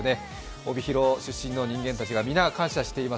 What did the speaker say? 帯広出身の人間は皆、感謝しています。